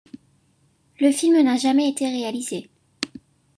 Le film n'a jamais été réalisé.